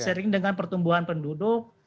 sering dengan pertumbuhan penduduk